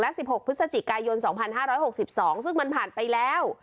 และสิบหกพฤศจิกายยนต์สองพันห้าร้อยหกสิบสองซึ่งมันผ่านไปแล้ว